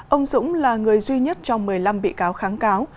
ông dũng là người duy nhất trong một mươi năm bị cáo kháng cáo